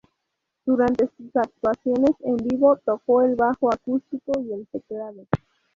Durante sus actuaciones en vivo, tocó el bajo acústico y el teclado.